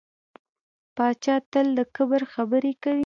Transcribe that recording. پاچا تل د کبر خبرې کوي .